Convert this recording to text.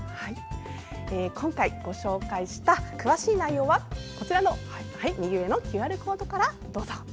今回、ご紹介した詳しい内容はＱＲコードからどうぞ。